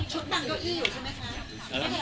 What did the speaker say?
บางเก้าอี้อยู่ใช่ไหมคะ